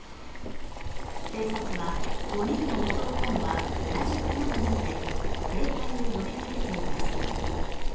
警察は５人を襲ったのは同じ熊とみて警戒を呼びかけています。